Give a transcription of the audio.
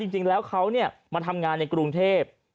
จริงแล้วเขามาทำงานในกรุงเทพ